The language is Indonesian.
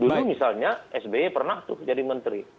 dulu misalnya sby pernah tuh jadi menteri